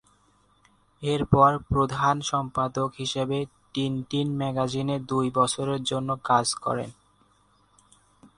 এরপর প্রধান সম্পাদক হিসেবে টিনটিন ম্যাগাজিনে দুই বছরের জন্য কাজ করেন।